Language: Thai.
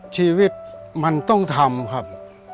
ชีวิตมันต้องทำครับ